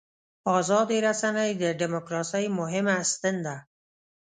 ازادې رسنۍ د دیموکراسۍ مهمه ستن ده.